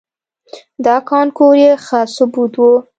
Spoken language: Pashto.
دا کانکور یې ښه ثبوت و.